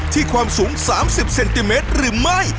ความสูง๓๐เซนติเมตรหรือไม่